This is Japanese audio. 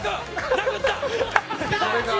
殴った！